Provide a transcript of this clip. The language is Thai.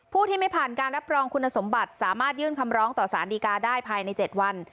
ผู้ที่ไม่ผ่านการรับรองคุณสมบัติสามารถยื่นคำร้องต่อสารดีกาได้ภายใน๗วัน